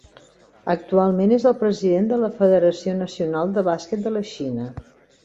Actualment és el president de la Federació Nacional de Bàsquet de la Xina.